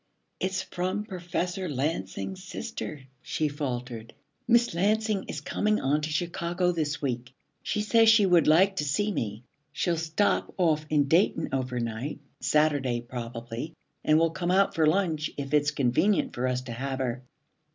'It's from Professor Lansing's sister,' she faltered. 'Miss Lansing is coming on to Chicago this week. She says she would like to see me. She'll stop off in Dayton over night, Saturday probably, and will come out for lunch if it's convenient for us to have her.